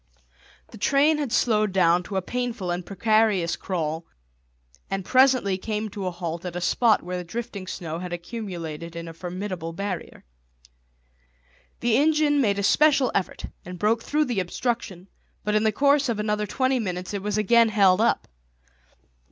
The train had slowed down to a painful and precarious crawl and presently came to a halt at a spot where the drifting snow had accumulated in a formidable barrier. The engine made a special effort and broke through the obstruction, but in the course of another twenty minutes it was again held up.